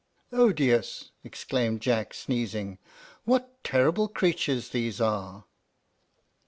"Odious!" exclaimed Jack, sneezing. "What terrible creatures these are!"